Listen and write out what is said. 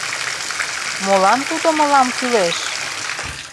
— Молан тудо мылам кӱлеш?